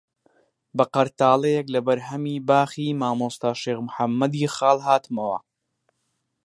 بە قەرتاڵەیەک لە بەرهەمی باخی مامۆستا شێخ محەممەدی خاڵ هاتمەوە